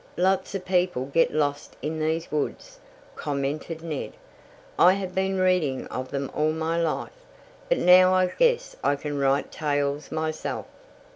"Lots of people get lost in these woods," commented Ned. "I have been reading of them all my life, but now I guess I can write tales myself."